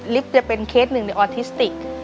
จะเป็นเคสหนึ่งในออทิสติก